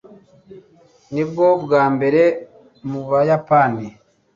Nibwo bwa mbere mu Buyapani?